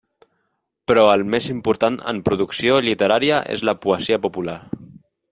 Però el més important en producció literària és la poesia popular.